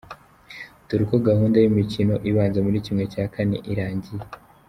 Dore uko gahunda y'imikino ibanza muri ¼ irangiye.